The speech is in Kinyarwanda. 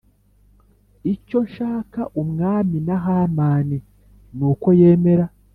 icyo nshaka umwami na Hamani nuko yemera